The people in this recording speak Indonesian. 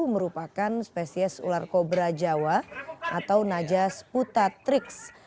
merupakan spesies ular kobra jawa atau najas putatrix